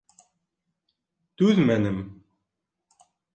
Түҙмәнем...